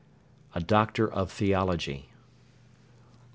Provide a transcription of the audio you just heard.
A doctor of theology.